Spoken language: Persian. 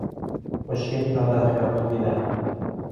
خوشگلی را در خیابان دیدم.